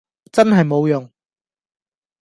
真係冇用